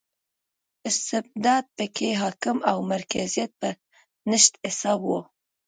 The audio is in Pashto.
استبداد په کې حاکم او مرکزیت په نشت حساب و.